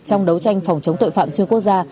trong đấu tranh phòng chống tội phạm xuyên quốc gia